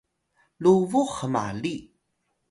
lubux hmali